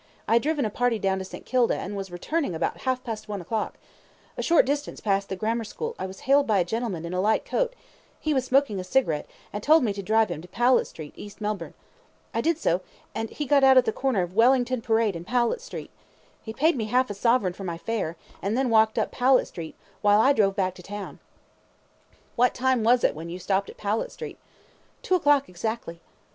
I had driven a party down to St. Kilda, and was returning about half past one o'clock. A short distance past the Grammar School I was hailed by a gentleman in a light coat; he was smoking a cigarette, and told me to drive him to Powlett Street, East Melbourne. I did so, and he got out at the corner of Wellington Parade and Powlett Street. He paid me half a sovereign for my fare, and then walked up Powlett Street, while I drove back to town. Q. What time was it when you stopped at Powlett Street? A. Two o'clock exactly.